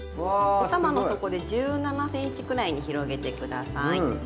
おたまの底で１７ｃｍくらいに広げて下さい。